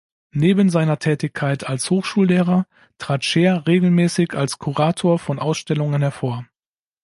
Neben seiner Tätigkeit als Hochschullehrer trat Scheer regelmäßig als Kurator von Ausstellungen hervor.